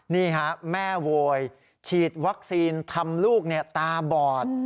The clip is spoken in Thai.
นี่ฮะแม่โวยฉีดวัคซีนทำลูกตาบอด